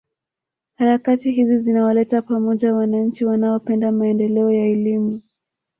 Harakati hizi zinawaleta pamoja wananchi wanaopenda maendeleo ya elimu